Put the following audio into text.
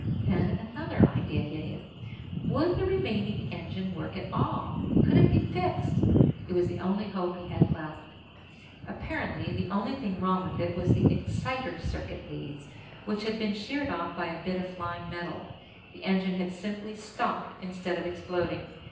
Then another idea hit him. Would the remaining engine work at all? Could it be fixed? It was the only hope he had left. Apparently, the only thing wrong with it was the exciter circuit leads, which had been sheared off by a bit of flying metal. The engine had simply stopped instead of exploding.